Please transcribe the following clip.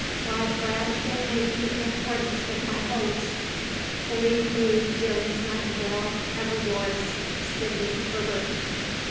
God grant it may be in accordance with my hopes! Believe me, dear Miss Nightingale, ever yours, SIDNEY HERBERT.